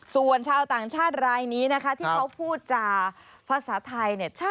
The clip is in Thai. ส่วนชาวต่างชาติรายนี้ที่เขาพูดจากภาษาไทย